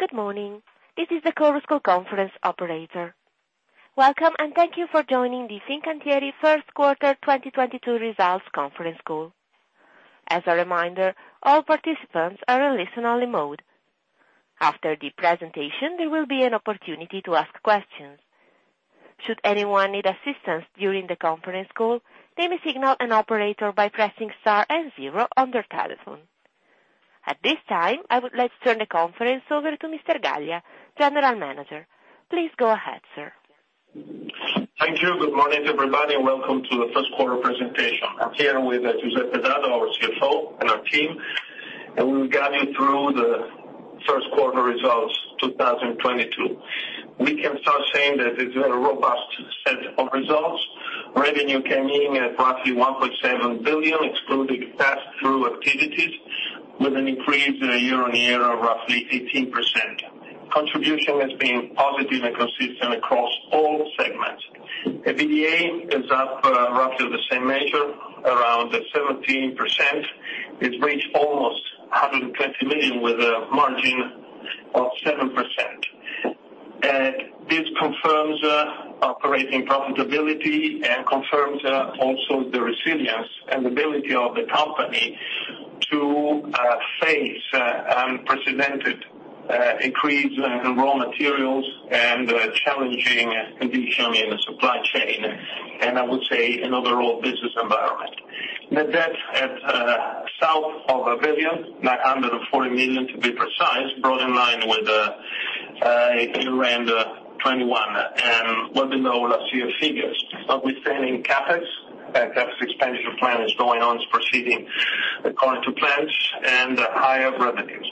Good morning. This is the Chorus Call conference operator. Welcome, and thank you for joining the Fincantieri first quarter 2022 results conference call. As a reminder, all participants are in listen only mode. After the presentation, there will be an opportunity to ask questions. Should anyone need assistance during the conference call, they may signal an operator by pressing star and zero on their telephone. At this time, I would like to turn the conference over to Mr. Gallia, General Manager. Please go ahead, sir. Thank you. Good morning, everybody, and welcome to the first quarter presentation. I'm here with Giuseppe Dado, our CFO, and our team, and we'll guide you through the first quarter results 2022. We can start saying that it's a robust set of results. Revenue came in at roughly 1.7 billion, excluding pass-through activities, with an increase year-on-year of roughly 15%. Contribution has been positive and consistent across all segments. EBITDA is up, roughly the same measure, around 17%. It reached almost 120 million, with a margin of 7%. This confirms operating profitability and confirms also the resilience and ability of the company to face unprecedented increase in raw materials and challenging condition in the supply chain, and I would say in overall business environment. Net debt at south of 940 million to be precise, brought in line with year-end 2021 and within our last year figures. We stand in CapEx. CapEx expenditure plan is going on, is proceeding according to plans and higher revenues.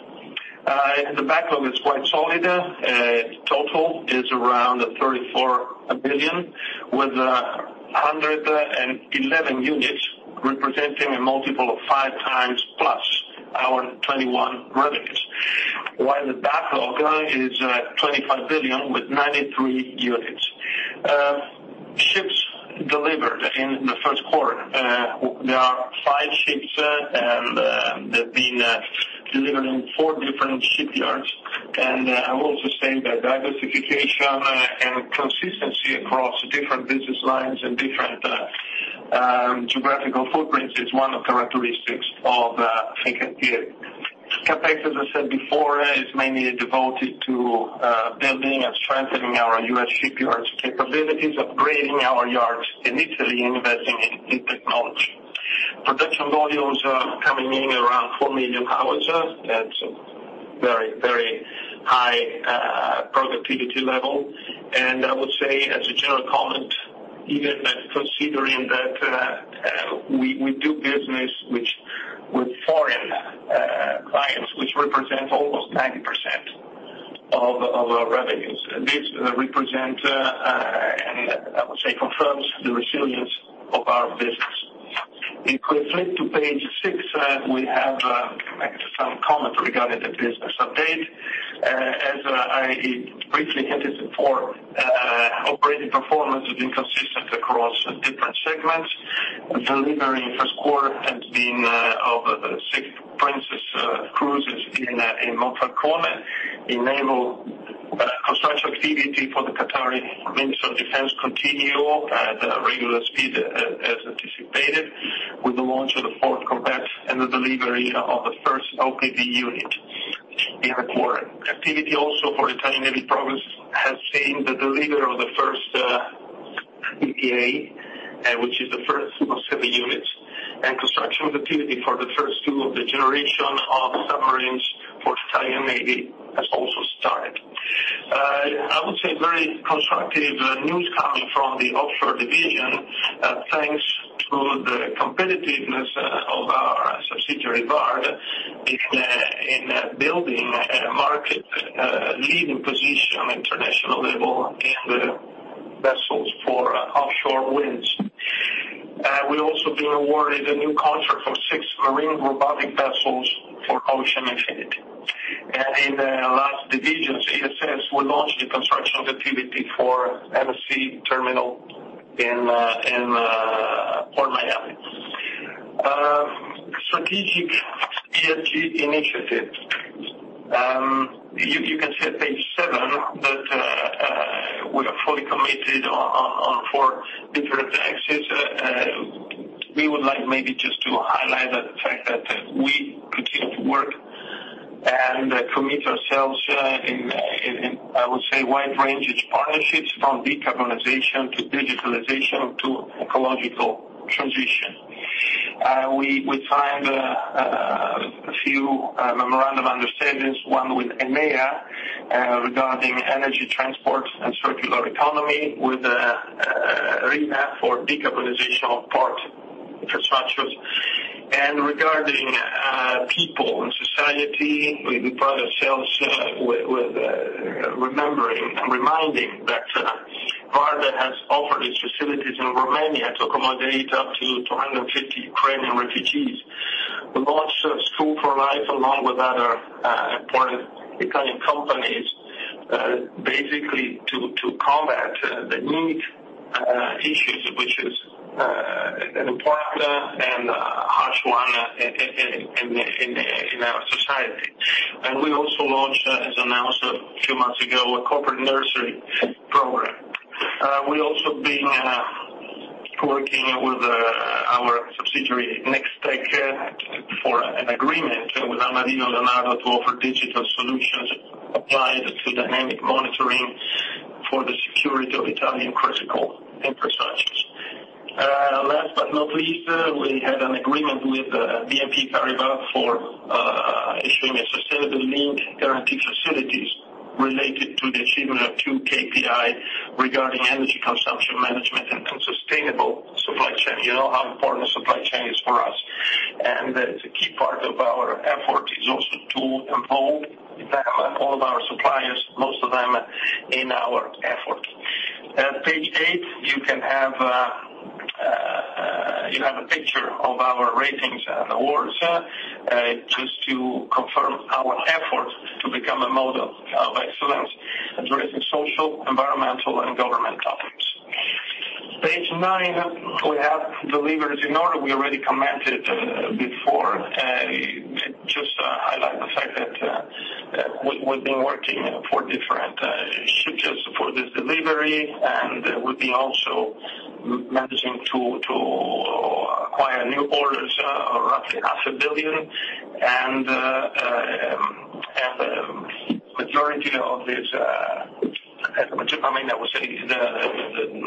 The backlog is quite solid. Total is around 34 billion, with 111 units representing a multiple of 5x plus our 2021 revenues. While the backlog is 25 billion with 93 units. Ships delivered in the first quarter. There are 5 ships, and they've been delivered in 4 different shipyards. I will also say that diversification and consistency across different business lines and different geographical footprints is one of characteristics of Fincantieri. CapEx, as I said before, is mainly devoted to building and strengthening our U.S. shipyards capabilities, upgrading our yards in Italy, investing in technology. Production volumes are coming in around 4 million hours. That's very high productivity level. I would say as a general comment, even considering that we do business with foreign clients, which represent almost 90% of our revenues. This represent and I would say confirms the resilience of our business. If we flip to page six, we have some comment regarding the business update. As I briefly hinted before, operating performance has been consistent across different segments. Delivery in first quarter has been of six Princess Cruises in Monfalcone. Enabled construction activity for the Qatari Ministry of Defense continue at a regular speed as anticipated, with the launch of the fourth combat and the delivery of the first OPV unit in the quarter. Activity also for Italian Navy progress has seen the delivery of the first PPA, which is the first of seven units. Construction activity for the first two of the generation of submarines for Italian Navy has also started. I would say very constructive news coming from the offshore division, thanks to the competitiveness of our subsidiary VARD in building a market leading position on international level in the vessels for offshore wind. We've also been awarded a new contract for six marine robotic vessels for Ocean Infinity. In the last divisions, ESS, we launched the construction activity for MSC terminal in PortMiami. Strategic ESG initiative. You can see at page seven that we are fully committed on four different axes. We would like maybe just to highlight the fact that we continue to work and commit ourselves in a wide range of partnerships from decarbonization to digitalization to ecological transition. We signed a few memorandums of understanding, one with ENEA regarding energy transport and circular economy with Remazel for decarbonization of port infrastructures. Regarding people and society, we pride ourselves with remembering and reminding that VARD has offered its facilities in Romania to accommodate up to 250 Ukrainian refugees. We launched School4Life along with other important Italian companies basically to combat issues which is important and such an issue in our society. We also launched, as announced a few months ago, a corporate nursery program. We also been working with our subsidiary Nextech for an agreement with Almaviva and Leonardo to offer digital solutions applied to digital monitoring for the security of Italian critical infrastructures. Last but not least, we had an agreement with BNP Paribas for issuing a sustainability-linked guarantee facilities related to the achievement of two KPIs regarding energy consumption management and sustainable supply chain. You know how important supply chain is for us. A key part of our effort is also to involve all of our suppliers, most of them in our effort. Page eight, you have a picture of our ratings and awards, just to confirm our effort to become a model of excellence addressing social, environmental, and governance topics. Page nine, we have the levers in order. We already commented before, just to highlight the fact that we've been working for different ships just for this delivery. We've been also managing to acquire new orders, roughly half a billion EUR. The majority of this, I mean, I would say the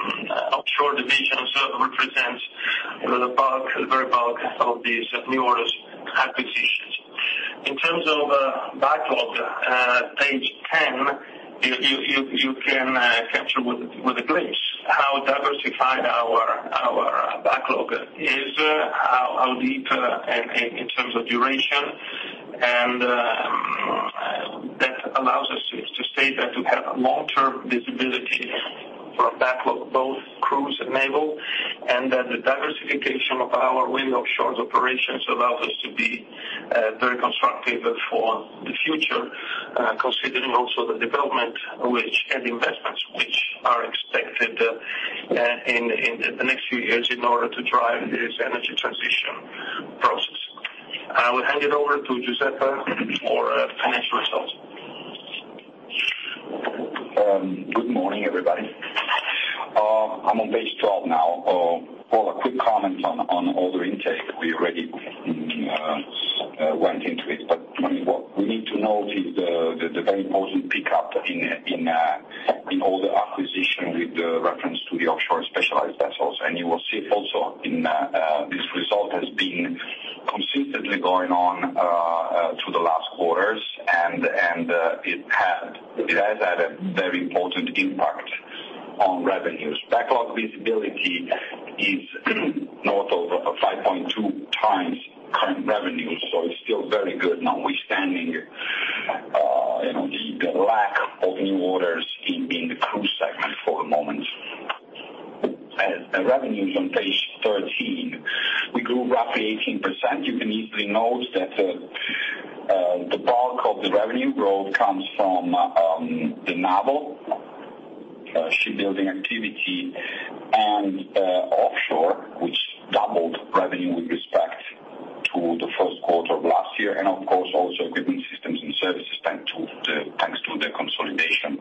offshore division represents the bulk, the very bulk of these new orders acquisitions. In terms of backlog, page 10, you can capture with a glance how diversified our backlog is, how deep in terms of duration. That allows us to state that we have long-term visibility for backlog, both cruise and naval. That the diversification of our wind offshore operations allows us to be very constructive for the future, considering also the development and investments which are expected in the next few years in order to drive this energy transition process. I will hand it over to Giuseppe for financial results. Good morning, everybody. I'm on page 12 now. For a quick comment on order intake, we already went into it, but what we need to note is the very important pickup in all the acquisition with the reference to the offshore specialized vessels. You will see also in this. Result has been consistently going on through the last quarters. It has had a very important impact on revenues. Backlog visibility is north of 5.2 times current revenue, so it's still very good notwithstanding you know the lack of new orders in the cruise segment for the moment. Revenues on page 13. We grew roughly 18%. You can easily note that the bulk of the revenue growth comes from the naval shipbuilding activity and offshore, which doubled revenue with respect to the first quarter of last year. Of course, also Equipment, Systems & Services, thanks to the consolidation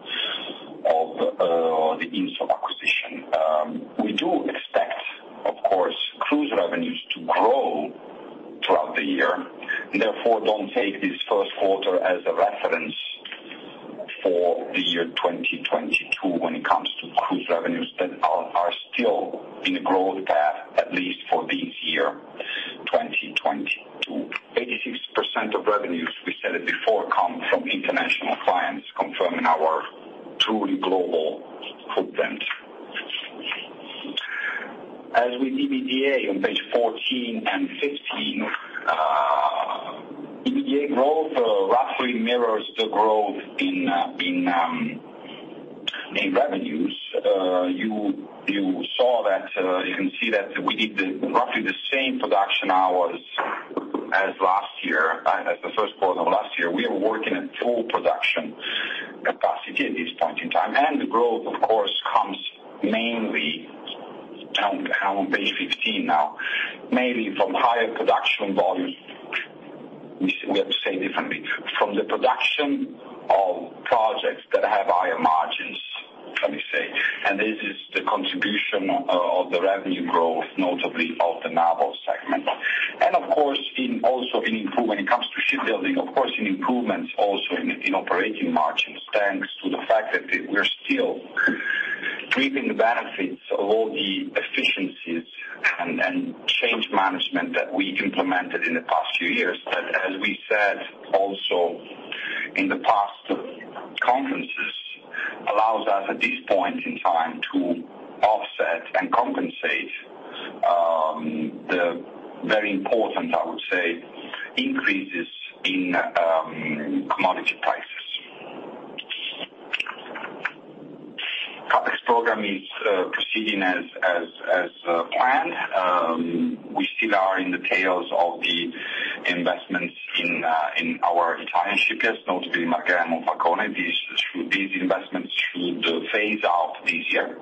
of the INSO acquisition. We do expect, of course, cruise revenues to grow throughout the year, and therefore, don't take this first quarter as a reference for the year 2022 when it comes to cruise revenues that are still in a growth path, at least for this year, 2022. 86% of revenues, we said it before, come from international clients, confirming our truly global footprint. As with EBITDA on page 14 and 15, EBITDA growth roughly mirrors the growth in revenues. You saw that you can see that we did roughly the same production hours as last year, as the first quarter of last year. We are working at full production capacity at this point in time. The growth, of course, comes mainly. I'm on page 15 now. Mainly from higher production volume. We have to say it differently. From the production of projects that have higher margins, let me say. This is the contribution of the revenue growth, notably of the naval segment. Of course, also in improvements when it comes to shipbuilding, of course, improvements also in operating margins, thanks to the fact that we're still reaping the benefits of all the efficiencies and change management that we implemented in the past few years. As we said also in the past conferences, allows us at this point in time to offset and compensate the very important, I would say, increases in commodity prices. CapEx program is proceeding as planned. We still are in the tails of the investments in our Italian shipyards, notably Marghera and Monfalcone. These investments should phase out this year.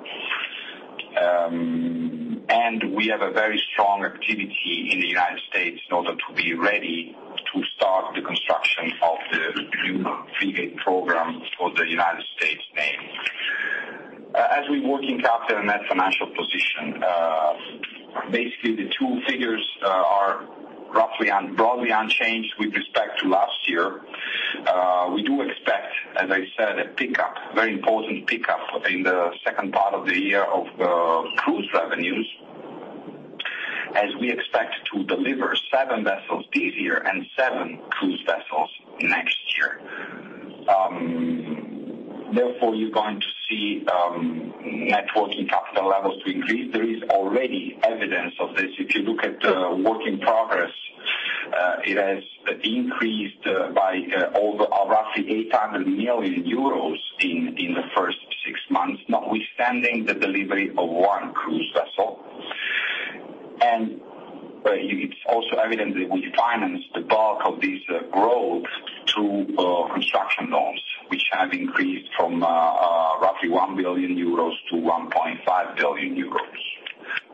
We have a very strong activity in the United States in order to be ready to start the construction of the new frigate program for the United States Navy. As for working capital net financial position, basically the two figures are roughly broadly unchanged with respect to last year. We do expect, as I said, a pickup, very important pickup in the second part of the year of cruise revenues, as we expect to deliver seven vessels this year and seven cruise vessels next year. Therefore, you're going to see net working capital levels to increase. There is already evidence of this. If you look at work in progress, it has increased by over roughly 800 million euros in the first six months, notwithstanding the delivery of one cruise vessel. It's also evident that we financed the bulk of this growth through construction loans, which have increased from roughly 1 billion euros to 1.5 billion euros.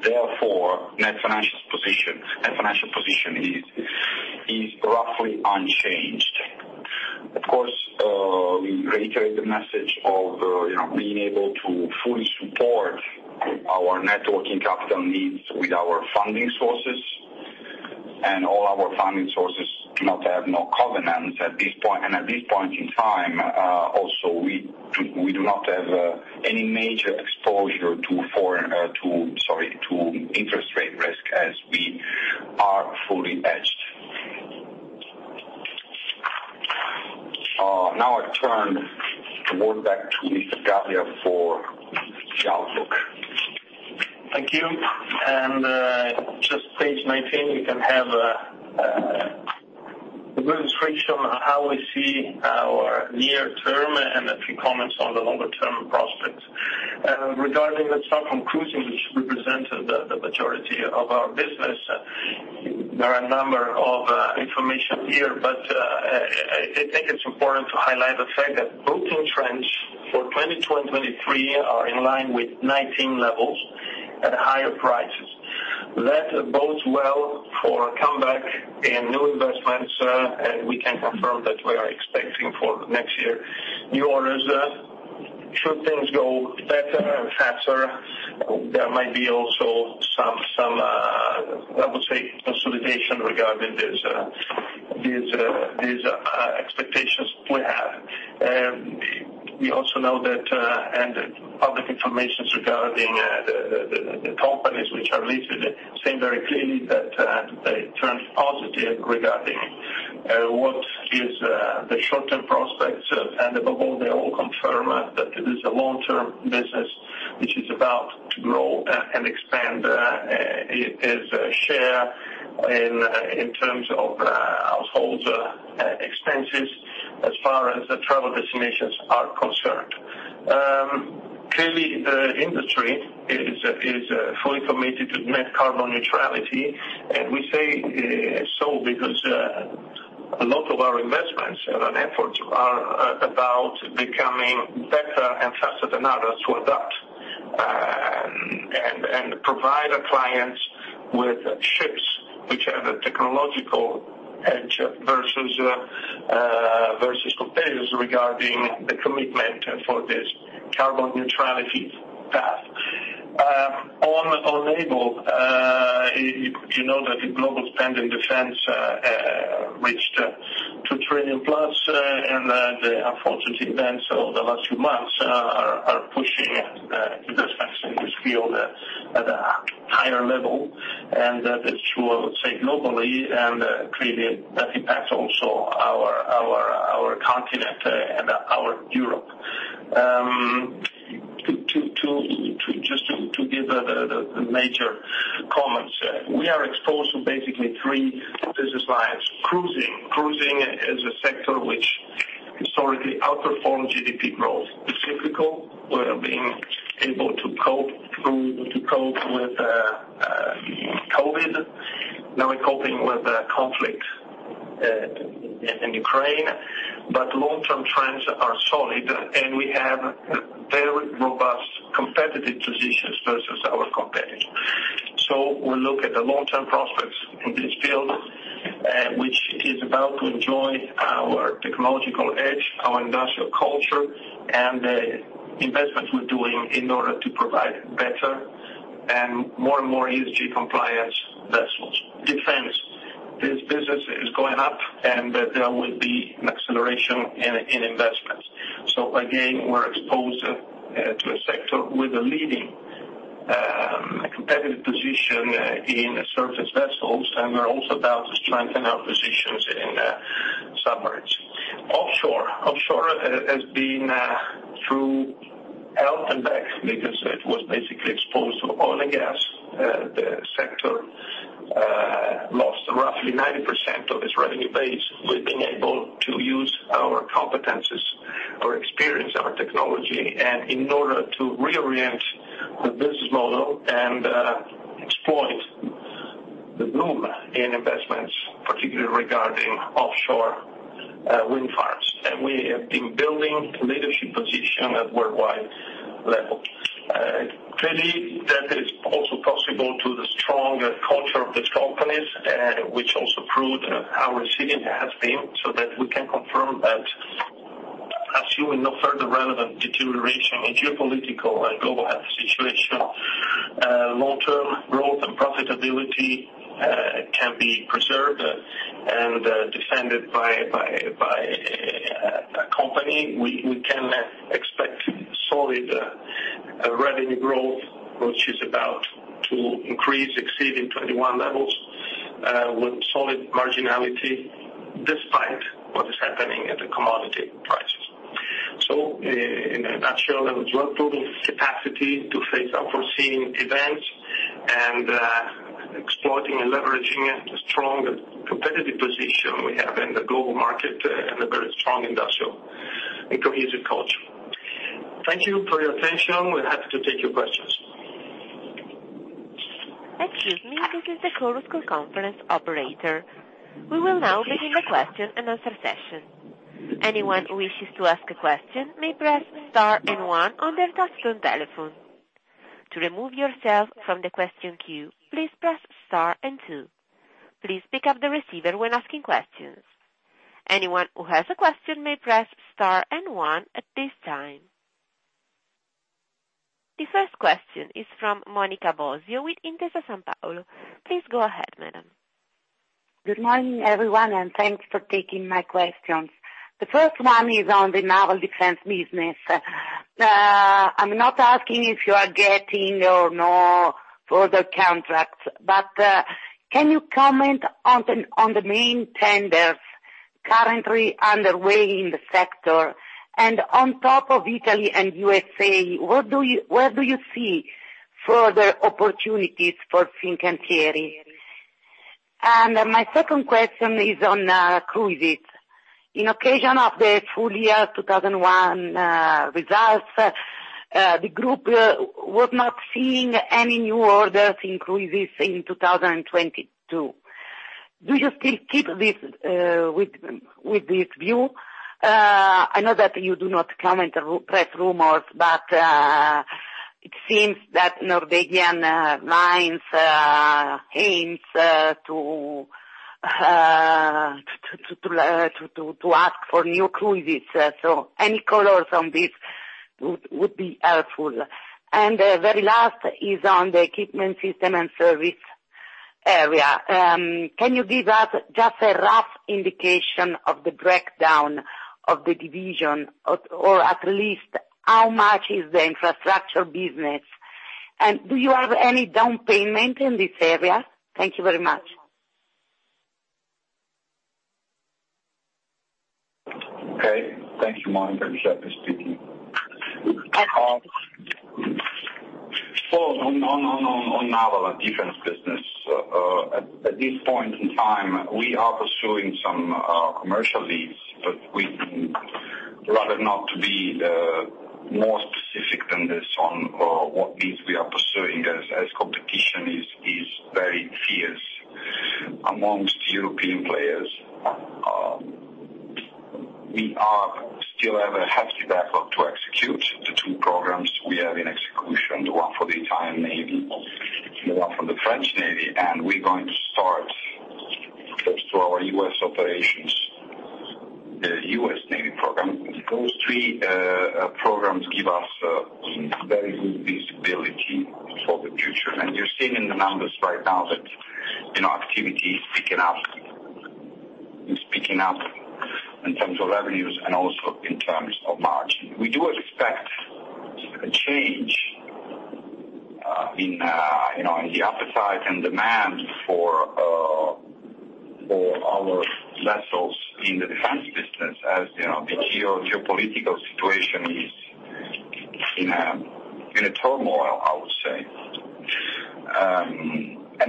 Therefore, net financial position is roughly unchanged. Of course, we reiterate the message of, you know, being able to fully support our net working capital needs with our funding sources. All our funding sources do not have no covenants at this point. At this point in time, also we do not have any major exposure to interest rate risk as we are fully hedged. Now I turn the floor back to Mr. Gallia for the outlook. Thank you. Just page 19, you can have a good description on how we see our near term and a few comments on the longer term prospects. Regarding the cruise segment, which represented the majority of our business, there are a number of information here, but I think it's important to highlight the fact that booking trends for 2023 are in line with 2019 levels at higher prices. That bodes well for a comeback in new investments, and we can confirm that we are expecting for next year new orders. Should things go better and faster, there might be also some I would say consolidation regarding these expectations we have. We also know that public information regarding the companies which are listed say very clearly that they turned positive regarding what is the short-term prospects. Above all, they all confirm that it is a long-term business which is about to grow and expand its share in terms of household expenses as far as the travel destinations are concerned. Clearly, the industry is fully committed to net carbon neutrality, and we say so because a lot of our investments and efforts are about becoming better and faster than others to adapt and provide our clients with ships which have a technological edge versus competitors regarding the commitment for this carbon neutrality path. On naval, you know that the global spend in defense reached 2 trillion-plus, and the unfortunate events of the last few months are pushing investments in this field at a higher level, and that is true, I would say, globally, and clearly that impacts also our continent and our Europe. To just give the major comments, we are exposed to basically three business lines. Cruising. Cruising is a sector which historically outperformed GDP growth. It's cyclical. We're being able to cope with COVID. Now we're coping with the conflict in Ukraine. But long-term trends are solid, and we have very robust competitive positions versus our competitors. We look at the long-term prospects in this field, which is about to enjoy our technological edge, our industrial culture, and the investments we're doing in order to provide better and more and more ESG compliance vessels. Defense. This business is going up and there will be an acceleration in investments. Again, we're exposed to a sector with a leading competitive position in surface vessels, and we're also about to strengthen our positions in submarines. Offshore. Offshore has been through hell and back because it was basically exposed to oil and gas. The sector lost roughly 90% of its revenue base. Our competencies, our experience, our technology, and in order to reorient the business model and exploit the boom in investments, particularly regarding offshore wind farms. We have been building leadership position at worldwide level. Clearly, that is also possible to the strong culture of these companies, which also proved how resilient it has been, so that we can confirm that assuming no further relevant deterioration in geopolitical and global health situation, long-term growth and profitability can be preserved and defended by a company. We can expect solid revenue growth, which is about to increase, exceeding 2021 levels, with solid marginality despite what is happening at the commodity prices. In a nutshell, that was our total capacity to face unforeseen events and exploiting and leveraging a strong competitive position we have in the global market and a very strong industrial and cohesive culture. Thank you for your attention. We're happy to take your questions. Excuse me. This is the Chorus Call conference operator. We will now begin the question and answer session. Anyone who wishes to ask a question may press star and one on their touch-tone telephone. To remove yourself from the question queue, please press star and two. Please pick up the receiver when asking questions. Anyone who has a question may press star and one at this time. The first question is from Monica Bosio with Intesa Sanpaolo. Please go ahead, madam. Good morning, everyone, and thanks for taking my questions. The first one is on the naval defense business. I'm not asking if you are getting or no further contracts, but can you comment on the main tenders currently underway in the sector? On top of Italy and USA, where do you see further opportunities for Fincantieri? My second question is on cruises. In occasion of the full year 2021 results, the group was not seeing any new orders increases in 2022. Do you still keep this view? I know that you do not comment press rumors, but it seems that Norwegian Cruise Line aims to ask for new cruises. Any colors on this would be helpful. The very last is on the Equipment, Systems & Services area. Can you give us just a rough indication of the breakdown of the division or at least how much is the infrastructure business? Do you have any down payment in this area? Thank you very much. Okay. Thank you, Monica Bosio. Giuseppe Dado speaking. On naval and defense business, at this point in time, we are pursuing some commercial leads, but we'd rather not to be more specific than this on what leads we are pursuing as competition is very fierce among European players. We still have a hefty backlog to execute the two programs we have in execution, the one for the Italian Navy and the one for the French Navy, and we're going to start, as to our US operations, the US Navy program. Those three programs give us very good visibility for the future. You're seeing in the numbers right now that, you know, activity is picking up. It's picking up in terms of revenues and also in terms of margin. We do expect a change in you know in the appetite and demand for our vessels in the defense business, as you know the geopolitical situation is in a turmoil, I would say.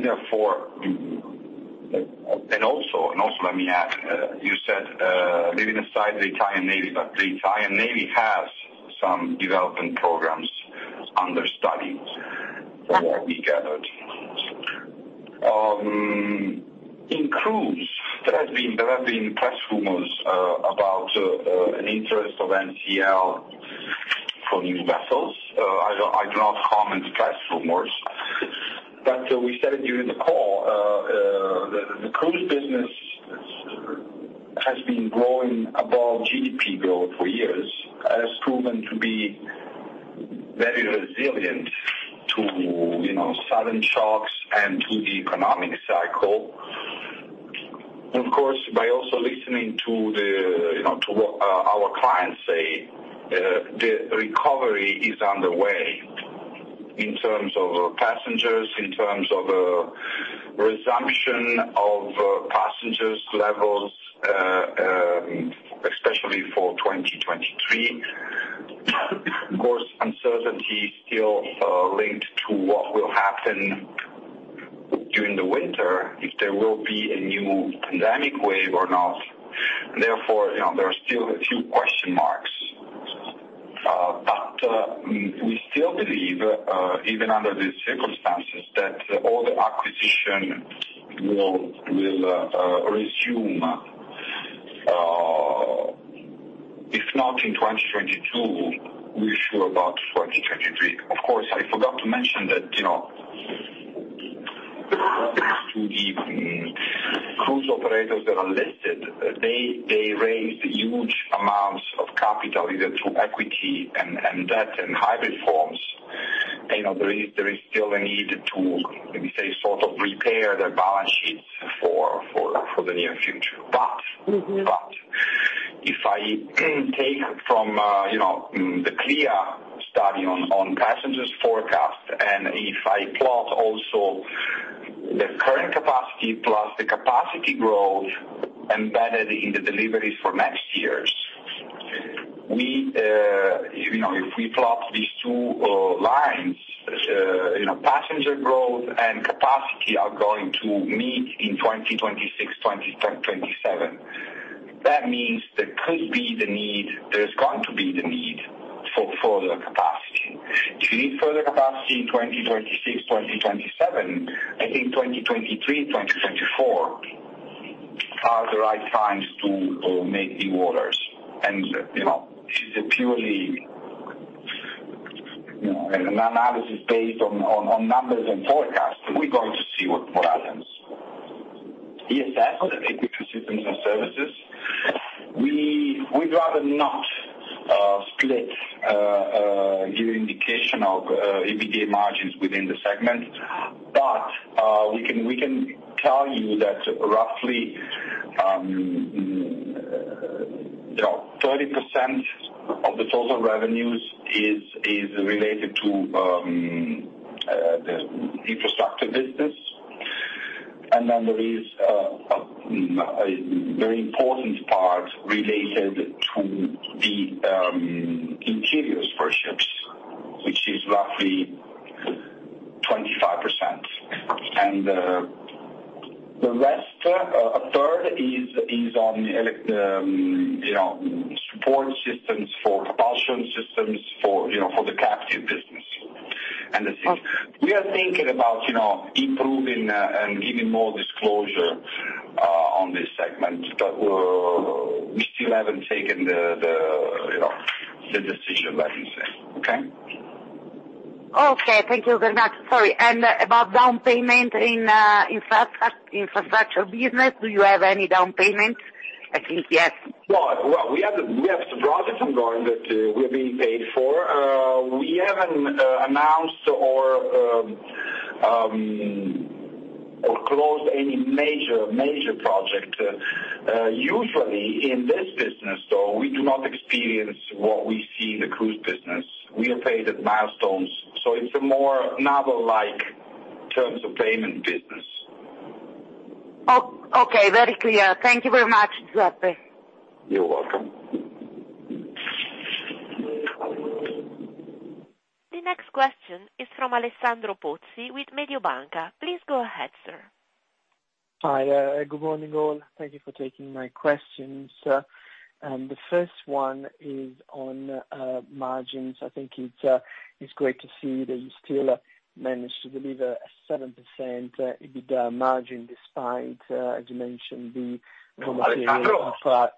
Therefore, and also let me add, you said leaving aside the Italian Navy, but the Italian Navy has some development programs under study from what we gathered. In cruise, there have been press rumors about an interest of NCL for new vessels. I don't, I do not comment press rumors, but we said it during the call. The cruise business has been growing above GDP growth for years, has proven to be very resilient to you know sudden shocks and to the economic cycle. Of course, by also listening to the, you know, to what our clients say, the recovery is underway in terms of passengers, resumption of passengers levels, especially for 2023. Of course, uncertainty still linked to what will happen in winter, if there will be a new pandemic wave or not. Therefore, you know, there are still a few question marks. But we still believe, even under these circumstances, that all the activity will resume, if not in 2022, we're sure about 2023. Of course, I forgot to mention that, you know, to the cruise operators that are listed, they raised huge amounts of capital either through equity and debt and hybrid forms. You know, there is still a need to, let me say, sort of repair their balance sheets for the near future. Mm-hmm. If I take from you know the CLIA study on passenger forecast, and if I plot also the current capacity plus the capacity growth embedded in the deliveries for next years, we you know if we plot these two lines you know passenger growth and capacity are going to meet in 2026, 2027. That means there could be the need. There's going to be the need for further capacity. If you need further capacity in 2026, 2027, I think 2023, 2024 are the right times to make the orders. You know this is a purely you know an analysis based on numbers and forecasts. We're going to see what happens. ESS, Equipment, Systems & Services, we'd rather not split give indication of EBITDA margins within the segment. We can tell you that roughly 30% of the total revenues is related to the infrastructure business. There is a very important part related to the interiors for ships, which is roughly 25%. The rest, 1/3 is on support systems for propulsion systems for the captive business. Okay. We are thinking about, you know, improving and giving more disclosure on this segment, but we still haven't taken the, you know, the decision, let me say. Okay? Okay. Thank you very much. Sorry, about down payment in infrastructure business, do you have any down payment at least yet? Well, we have some projects ongoing that we're being paid for. We haven't announced or closed any major project. Usually in this business, though, we do not experience what we see in the cruise business. We are paid at milestones, so it's a more naval-like terms of payment business. Okay. Very clear. Thank you very much, Giuseppe. You're welcome. The next question is from Alessandro Pozzi with Mediobanca. Please go ahead, sir. Hi, good morning, all. Thank you for taking my questions. The first one is on margins. I think it's great to see that you still managed to deliver a 7% EBITDA margin despite, as you mentioned, the- Alessandro. raw material price.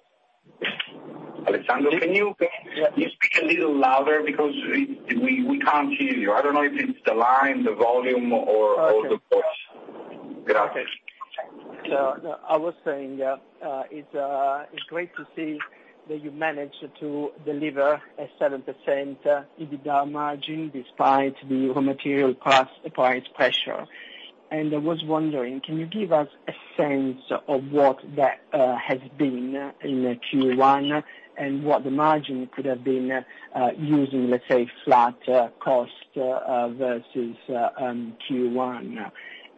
Alessandro, can you? Yeah. Can you speak a little louder because we can't hear you? I don't know if it's the line, the volume, or Okay. Or the both. Grazie. Okay. I was saying, it's great to see that you managed to deliver a 7% EBITDA margin despite the raw material cost price pressure. I was wondering, can you give us a sense of what that has been in Q1 and what the margin could have been, using, let's say, flat cost versus Q1?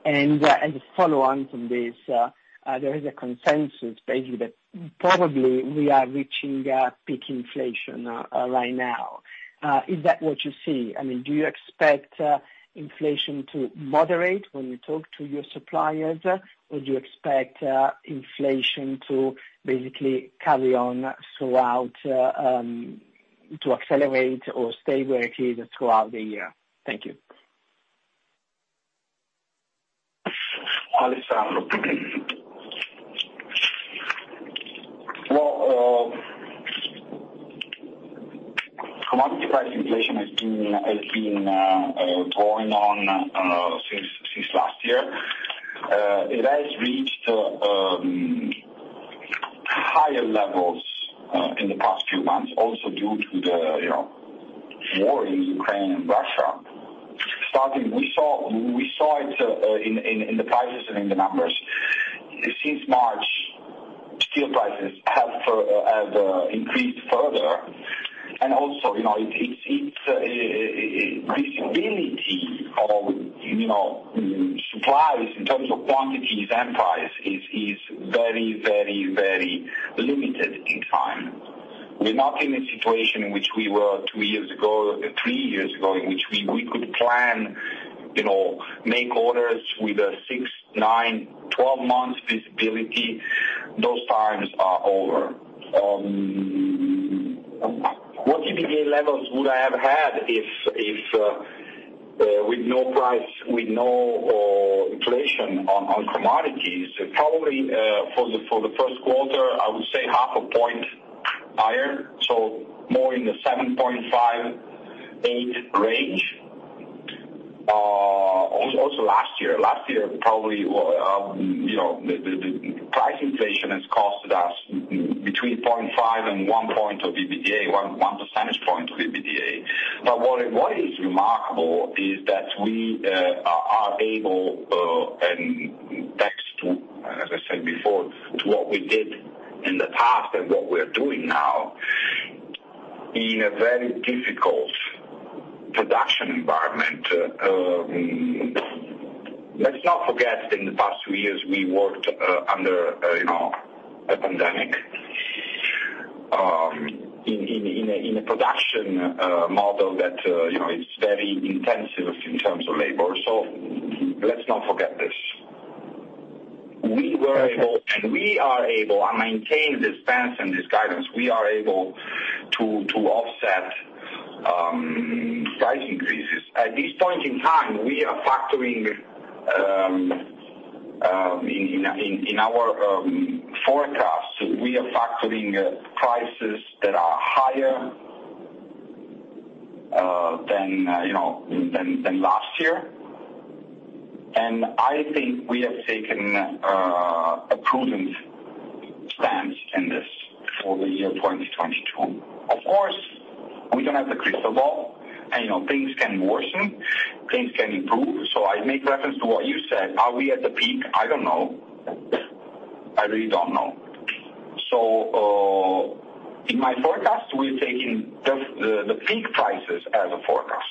As a follow-on from this, there is a consensus basically that probably we are reaching peak inflation right now. Is that what you see? I mean, do you expect inflation to moderate when you talk to your suppliers? Or do you expect inflation to basically carry on throughout to accelerate or stay where it is throughout the year? Thank you. Well, commodity price inflation has been going on since last year. It has reached higher levels in the past few months, also due to the, you know, war in Ukraine and Russia. We saw it in the prices and in the numbers. Since March, steel prices have increased further. Also, you know, it's visibility of, you know, supplies in terms of quantities and price is very limited. We're not in a situation in which we were two years ago, three years ago, in which we could plan, you know, make orders with a six, nine, 12 months visibility. Those times are over. What EBITDA levels would I have had if with no price inflation on commodities? Probably for the first quarter, I would say half a point higher, so more in the 7.5%-8% range. Also last year. Last year, probably, you know, the price inflation has cost us between 0.5 and 1 point of EBITDA, 1 percentage point of EBITDA. What is remarkable is that we are able and thanks to, as I said before, to what we did in the past and what we're doing now in a very difficult production environment. Let's not forget, in the past two years, we worked under, you know, a pandemic, in a production model that, you know, is very intensive in terms of labor. Let's not forget this. We were able- Okay. We are able. I maintain the stance and this guidance. We are able to offset price increases. At this point in time, we are factoring in our forecasts prices that are higher than, you know, last year. I think we have taken a prudent stance in this for the year 2022. Of course, we don't have a crystal ball and, you know, things can worsen, things can improve. I make reference to what you said. Are we at the peak? I don't know. I really don't know. In my forecast, we're taking the peak prices as a forecast.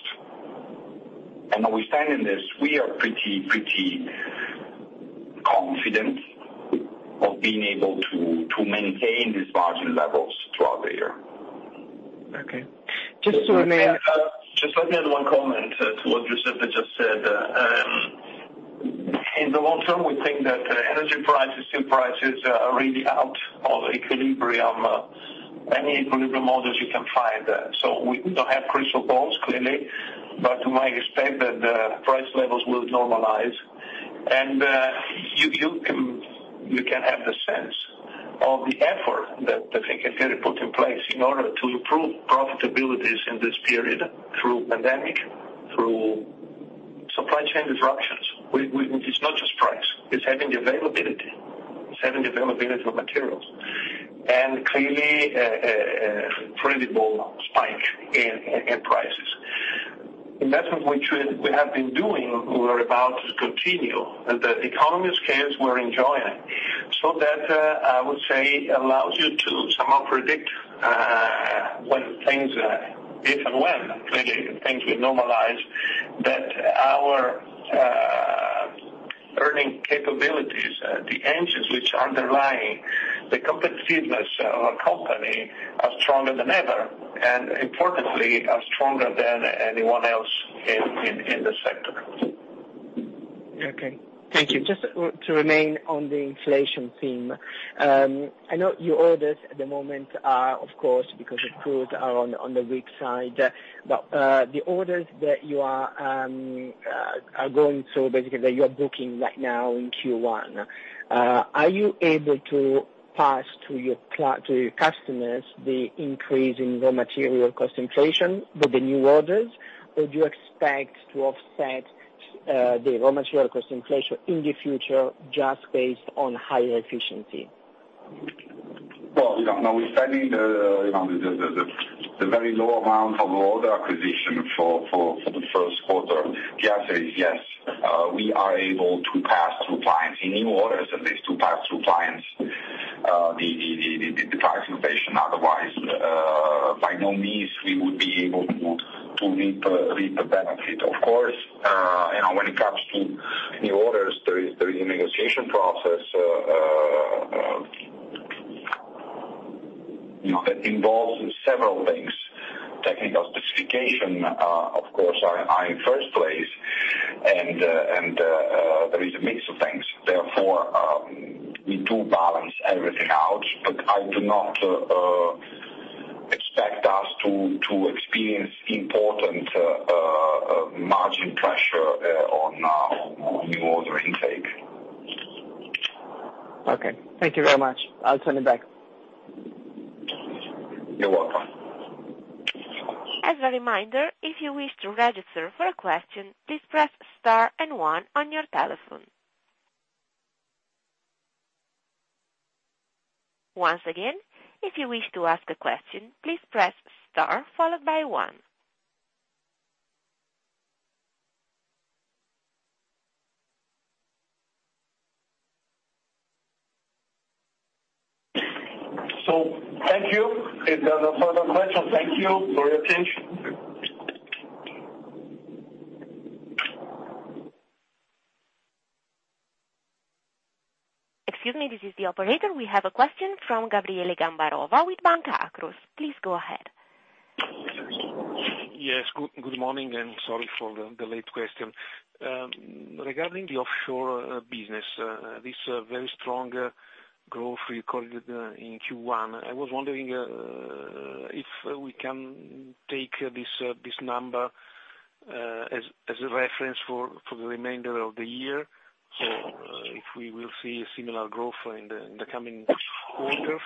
We stand in this. We are pretty confident of being able to maintain these margin levels throughout the year. Okay. Just let me add one comment to what Giuseppe just said. In the long term, we think that energy prices, steel prices are really out of equilibrium, any equilibrium models you can find. We don't have crystal balls, clearly, but we might expect that the price levels will normalize. You can have the sense of the effort that Marinette put in place in order to improve profitabilities in this period through pandemic, through supply chain disruptions. It's not just price, it's having the availability. It's having the availability of materials. Clearly a credible spike in prices. Investments which we have been doing, we're about to continue. The economies of scale we're enjoying. that I would say allows you to somehow predict, when things, if and when, clearly things will normalize, that our earning capabilities, the engines which underlie the competitiveness of our company are stronger than ever, and importantly, are stronger than anyone else in the sector. Okay, thank you. Just to remain on the inflation theme. I know your orders at the moment are, of course, because of COVID, on the weak side. The orders that you are booking right now in Q1, are you able to pass to your customers the increase in raw material cost inflation with the new orders? Or do you expect to offset the raw material cost inflation in the future just based on higher efficiency? Well, you know, now we're studying the, you know, the very low amount of order intake for the first quarter. The answer is, yes, we are able to pass through to clients, in new orders at least, to pass through to clients the price inflation. Otherwise, by no means we would be able to reap the benefit. Of course, you know, when it comes to new orders, there is a negotiation process, you know, that involves several things. Technical specifications, of course, are in first place. There is a mix of things. Therefore, we do balance everything out, but I do not expect us to experience important margin pressure on new order intake. Okay. Thank you very much. I'll turn it back. You're welcome. As a reminder, if you wish to register for a question, please press star and one on your telephone. Once again, if you wish to ask a question, please press star followed by one. Thank you. If there are no further questions, thank you for your attention. Excuse me, this is the operator. We have a question from Gabriele Gambarova with Banca Akros. Please go ahead. Yes. Good morning, and sorry for the late question. Regarding the offshore business, this very strong growth you called it in Q1, I was wondering if we can take this number as a reference for the remainder of the year. If we will see a similar growth in the coming quarters.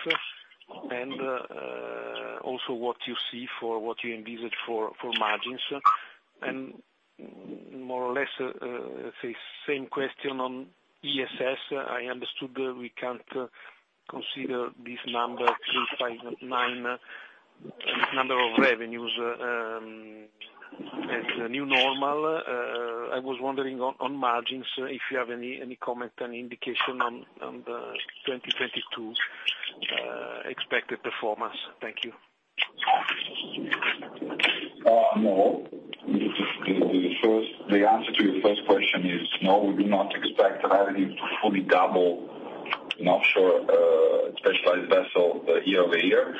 Also, what you envisage for margins. More or less, say, same question on ESS. I understood we can't consider this number, 359 million in revenues, as the new normal. I was wondering on margins, if you have any comment, any indication on the 2022 expected performance. Thank you. No. The answer to your first question is no, we do not expect the revenue to fully double in offshore specialized vessel year-over-year.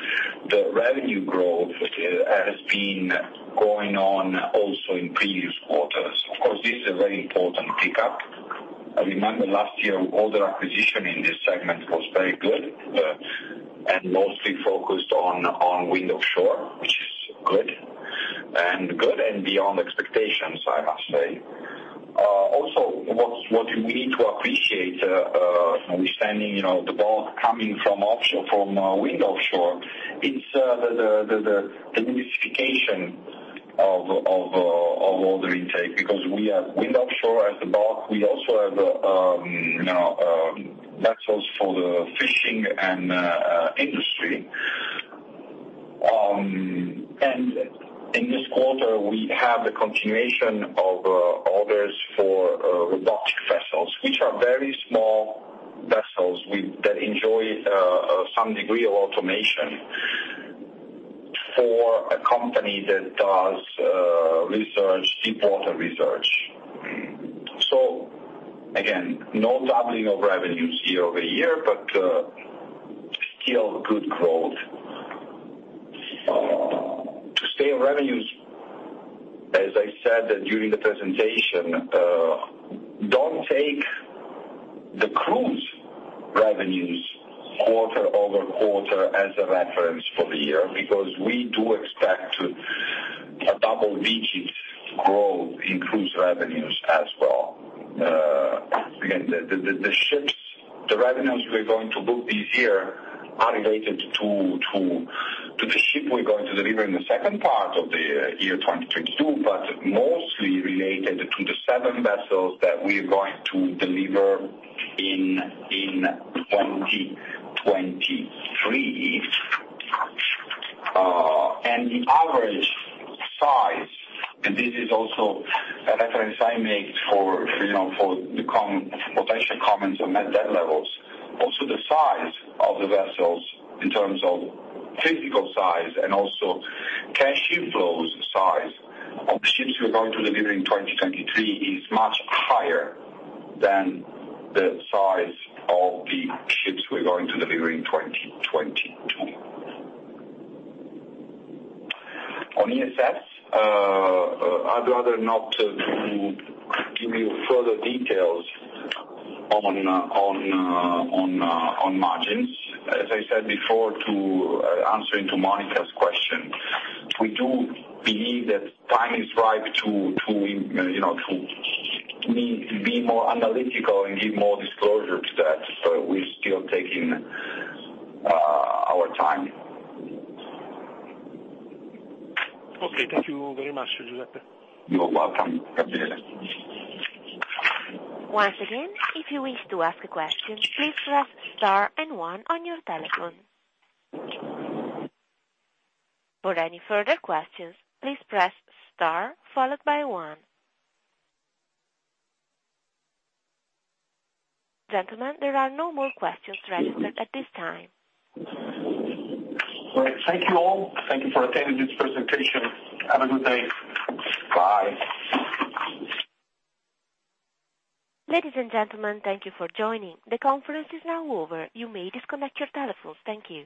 The revenue growth has been going on also in previous quarters. Of course, this is a very important pickup. I remember last year, order acquisition in this segment was very good, and mostly focused on wind offshore, which is good and beyond expectations, I must say. Also, what we need to appreciate, understanding, you know, the bulk coming from wind offshore, it's the diversification of order intake because we have wind offshore as the bulk. We also have, you know, vessels for the fishing and industry. In this quarter, we have the continuation of orders for robotic vessels, which are very small vessels that enjoy some degree of automation for a company that does research, deep water research. Again, no doubling of revenues year-over-year, but still good growth. To stay on revenues, as I said during the presentation, don't take the cruise revenues quarter-over-quarter as a reference for the year because we do expect a double-digit growth in cruise revenues as well. Again, the ships, the revenues we're going to book this year are related to the ship we're going to deliver in the second part of the year 2022, but mostly related to the seven vessels that we're going to deliver in 2023. The average size, this is also a reference I make for, you know, for the potential comments on net debt levels. The size of the vessels in terms of physical size and also cash inflows size of ships we're going to deliver in 2023 is much higher than the size of the ships we're going to deliver in 2022. On ESS, I'd rather not give you further details on margins. As I said before in answering Monica's question, we do believe the time is right to be more analytical and give more disclosure to that, but we're still taking our time. Okay, thank you very much, Giuseppe. You're welcome, Gabriele. Once again, if you wish to ask a question, please press star and one on your telephone. For any further questions, please press star followed by one. Gentlemen, there are no more questions registered at this time. Thank you all. Thank you for attending this presentation. Have a good day. Bye. Ladies and gentlemen, thank you for joining. The conference is now over. You may disconnect your telephones. Thank you.